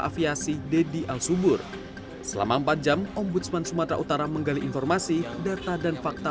aviasi dedy alsubur selama empat jam ombudsman sumatera utara menggali informasi data dan fakta